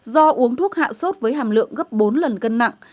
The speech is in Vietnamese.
do uống thuốc hạ sốt với hàm lượng gấp bốn lần cân nặng